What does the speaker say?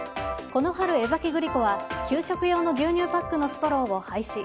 この春、江崎グリコは給食用の牛乳パックのストローを廃止。